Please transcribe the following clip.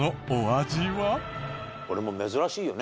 これも珍しいよね。